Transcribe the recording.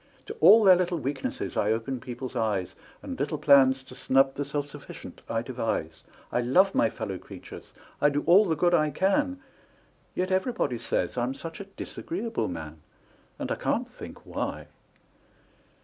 To all their little weaknesses I open people's eyes And little plans to snub the self sufficient I devise; I love my fellow creatures I do all the good I can Yet everybody say I'm such a disagreeable man! And I can't think why!